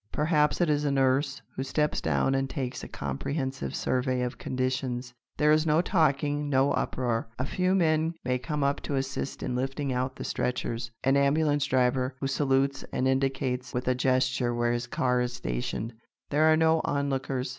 Perhaps it is a nurse who steps down and takes a comprehensive survey of conditions. There is no talking, no uproar. A few men may come up to assist in lifting out the stretchers, an ambulance driver who salutes and indicates with a gesture where his car is stationed. There are no onlookers.